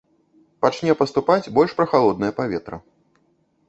Пачне паступаць больш прахалоднае паветра.